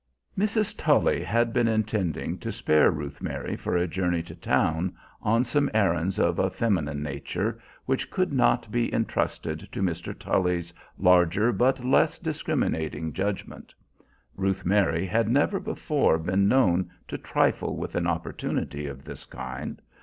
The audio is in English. Mrs. Tully had been intending to spare Ruth Mary for a journey to town, on some errands of a feminine nature which could not be intrusted to Mr. Tully's larger but less discriminating judgment. Ruth Mary had never before been known to trifle with an opportunity of this kind.